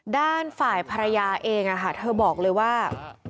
ด้านฝ่ายภรรยาเองเธอบอกเลยว่า